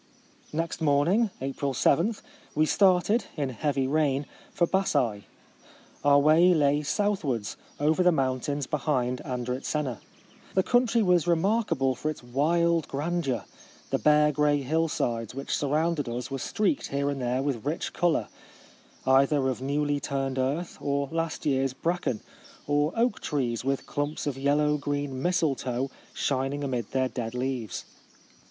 Next morning (April 7) we started, in heavy rain, for Bassse. Our way lay southwards, over the mountains behind Andritzena. The country was remarkable for its wild grand eur. The bare grey hillsides which surrounded us were streaked here and there with rich colour, either of newly turned earth, or last year's bracken, or oak trees with clumps of yellow green misletoe shining amid their dead leaves.